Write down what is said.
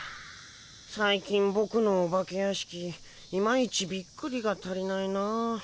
最近ボクのお化け屋敷いまいちビックリが足りないなあ。